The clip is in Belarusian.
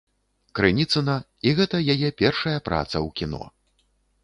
Крыніцына, і гэта яе першая праца ў кіно.